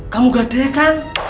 kamu gade kan